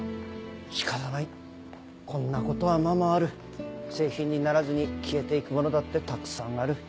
仕方ないこんなことはままある製品にならずに消えていくものだってたくさんある。